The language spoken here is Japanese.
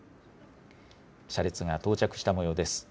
車列が到着したもようです。